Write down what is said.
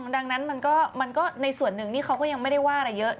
ดังนั้นมันก็ในส่วนหนึ่งนี่เขาก็ยังไม่ได้ว่าอะไรเยอะ